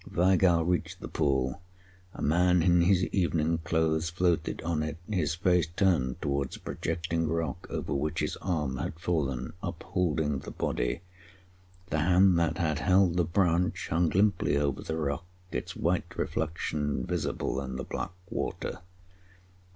Weigall reached the pool. A man in his evening clothes floated on it, his face turned towards a projecting rock over which his arm had fallen, upholding the body. The hand that had held the branch hung limply over the rock, its white reflection visible in the black water.